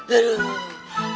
banget banget senang